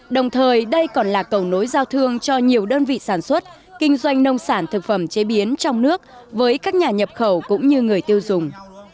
đồng thời đây còn là cầu nối giao thương cho nhiều đơn vị sản xuất kinh doanh nông sản thực phẩm chế biến trong nước với các nhà nhập khẩu cũng như người tiêu dùng